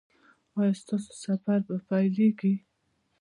ایا ستاسو سفر به پیلیږي؟